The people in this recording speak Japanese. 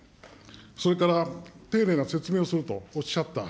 それから、丁寧な説明をするとおっしゃった。